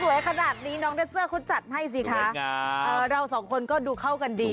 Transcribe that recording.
ขนาดนี้น้องเดสเซอร์เขาจัดให้สิคะเราสองคนก็ดูเข้ากันดี